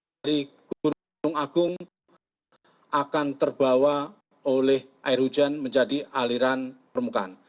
dari gunung agung akan terbawa oleh air hujan menjadi aliran permukaan